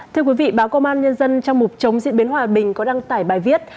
thưa quý vị báo công an nhân dân trong mục chống diễn biến hòa bình có đăng tải bài viết